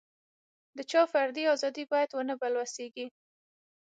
د چا فردي ازادي باید ونه بلوسېږي.